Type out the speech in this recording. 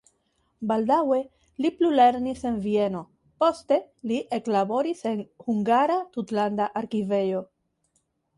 Baldaŭe li plulernis en Vieno, poste li eklaboris en "Hungara Tutlanda Arkivejo".